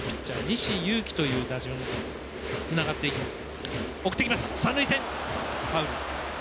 西勇輝という打順につながっていきます。